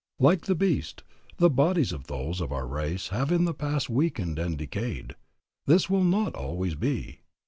... "Like the beast, the bodies of those of our race have in the past weakened and decayed. This will not always be.